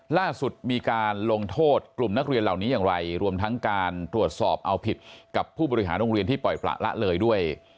ล่าสุดมีการลงโทษกลุ่มนักเรียนเหล่านี้อย่างไรรวมทั้งการตรวจสอบเอาผิดกับผู้บริหารโรงเรียนที่ปล่อยประละเลยด้วย